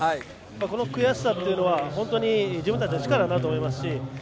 この悔しさというのは自分たちの力になると思いますし